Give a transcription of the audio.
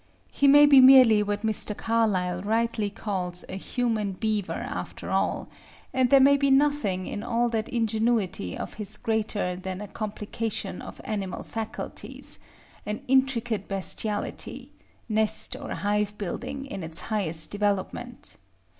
He may be merely what Mr. Carlyle rightly calls a human beaver after all; and there may be nothing in all that ingenuity of his greater than a complication of animal faculties, an intricate bestiality, nest or hive building in its highest development.